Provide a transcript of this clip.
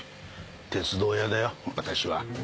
鉄道屋だよ私は。